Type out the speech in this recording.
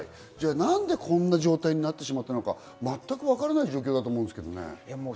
なんでこんな状態になってしまったのか、全くわからない状態だと思うんですけれどもね。